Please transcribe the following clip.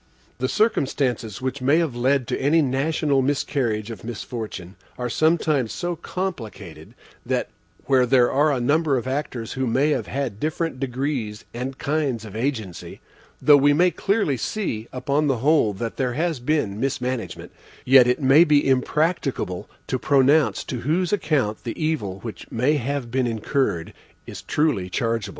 The circumstances which may have led to any national miscarriage or misfortune are sometimes so complicated that, where there are a number of actors who may have had different degrees and kinds of agency, though we may clearly see upon the whole that there has been mismanagement, yet it may be impracticable to pronounce to whose account the evil which may have been incurred is truly chargeable.)